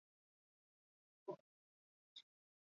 Ebro eta Duero ibaien haranen artean kokatuta dago.